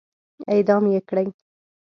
اعدام يې کړئ!